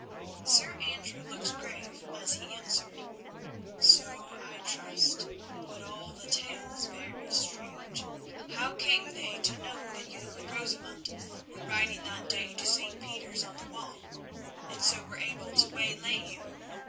Sir Andrew looked grave as he answered. "So I trust, but all the tale is very strange. How came they to know that you and Rosamund were riding that day to St. Peter's on the Wall, and so were able to waylay you?